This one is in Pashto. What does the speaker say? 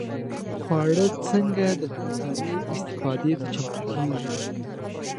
خواړه څنګه د حجرو استفادې ته چمتو کېږي؟